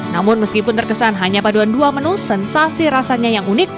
namun meskipun terkesan hanya paduan dua menu sensasi rasanya yang unik